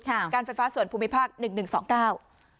การไฟฟ้าส่วนภูมิภาคหนึ่งหนึ่งสองเก้า